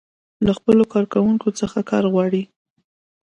له خپلو کارکوونکو څخه کار غواړي.